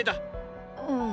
うん。